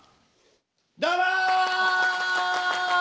どうも！